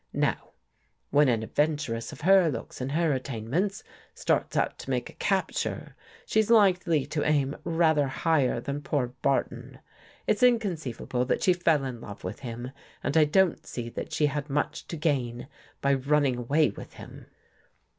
Now, when an adven 146 AN ESCAPE turess of her looks and her attainments starts out to make a capture, she's likely to aim rather higher than poor Barton. It's inconceivable that she fell in love with him, and I don't see that she had much to gain by running away with him."